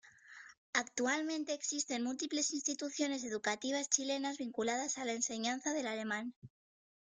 Actualmente existen múltiples instituciones educativas chilenas vinculadas a la enseñanza del alemán.